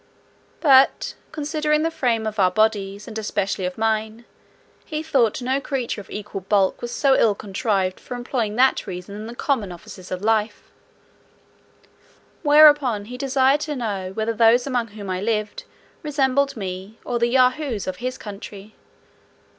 But, considering the frame of our bodies, and especially of mine, he thought no creature of equal bulk was so ill contrived for employing that reason in the common offices of life;" whereupon he desired to know "whether those among whom I lived resembled me, or the Yahoos of his country?"